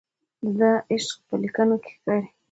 د ده عشق په لیکنو کې ښکاري.